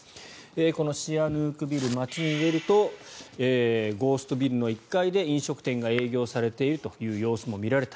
このシアヌークビル、街を見るとゴーストビルの１階で飲食店が営業されているという様子も見られた。